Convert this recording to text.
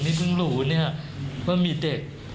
นี่เพิ่งรู้เนี่ยว่ามีเด็ก